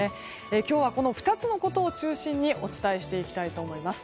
今日はこの２つのことを中心にお伝えしていきたいと思います。